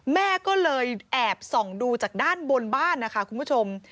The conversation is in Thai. แม่ก็เลยแอบส่องดูจากด้านบนบ้านนะคะคุณผู้ชม